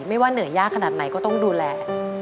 ว่าเหนื่อยยากขนาดไหนก็ต้องดูแล